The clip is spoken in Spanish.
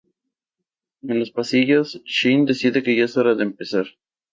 En los pasillos, Shin dice que ya es hora de empezar.